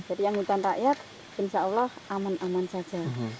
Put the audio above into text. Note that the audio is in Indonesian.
jadi yang hutan rakyat insya allah aman aman saja